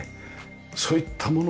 そういったものをね